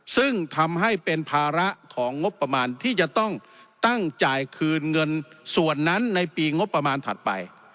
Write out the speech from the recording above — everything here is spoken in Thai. ซึ่งทำให้เป็นภาระของงบประมาณที่จะต้องตั้งจ่ายคืนเงินส่วนนั้นในปีงบประมาณถัดไป